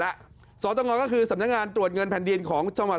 แล้วสตงก็คือสำนักงานตรวจเงินแผ่นดินของจังหวัด